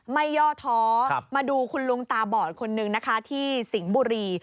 ย่อท้อมาดูคุณลุงตาบอดคนนึงนะคะที่สิงห์บุรี